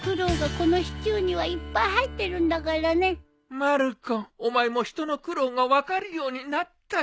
まる子お前も人の苦労が分かるようになったか。